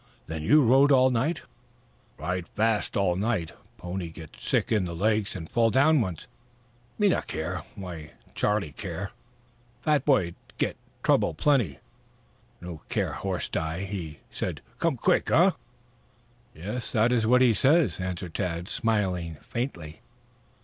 "Then you rode all night?" "Ride fast all night. Pony git sick in the legs and fall down once. Me not care. Why Charlie care? Fat boy git trouble plenty. No care horse die. He say come quick, eh?" "Yes, that is what he says," answered Tad, smiling faintly.